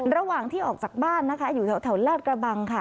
ระหว่างที่ออกจากบ้านนะคะอยู่แถวลาดกระบังค่ะ